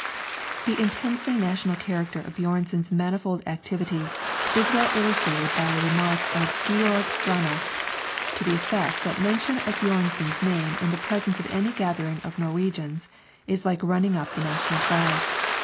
The intensely national character of Björnson's manifold activity is well illustrated by a remark of Georg Brandes, to the effect that mention of Björnson's name in the presence of any gathering of Norwegians is like running up the national flag.